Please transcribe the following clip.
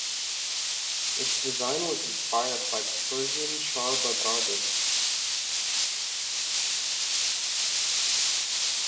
Its design was inspired by persian Char Bagh Gardens.